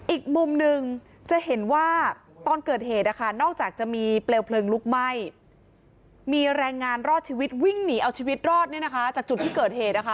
อีกมุมหนึ่งจะเห็นว่าตอนเกิดเหตุนะคะนอกจากจะมีเปลวเพลิงลุกไหม้มีแรงงานรอดชีวิตวิ่งหนีเอาชีวิตรอดเนี่ยนะคะจากจุดที่เกิดเหตุนะคะ